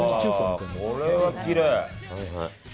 これはきれい。